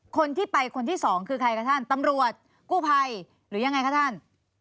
คนที่ไปคนที่สองคือใครคะท่านตำรวจกู้ภัยหรือยังไงคะท่าน